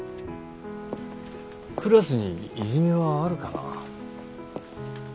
クラスにいじめはあるかな？